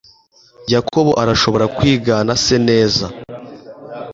Yakobo arashobora kwigana se neza